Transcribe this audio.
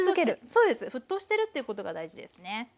そうです沸騰してるということが大事ですね。